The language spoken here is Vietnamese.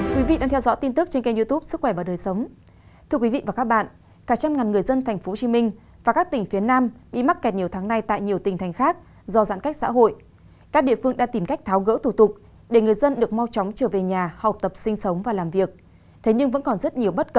các bạn hãy đăng ký kênh để ủng hộ kênh của chúng mình nhé